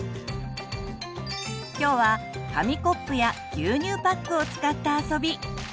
今日は紙コップや牛乳パックを使った遊び。